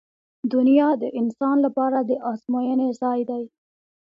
• دنیا د انسان لپاره د ازموینې ځای دی.